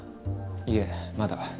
いえまだ。